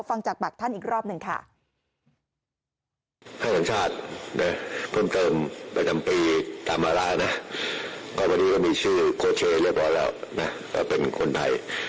ฟังจากบัตรท่านอีกรอบหนึ่งค่ะ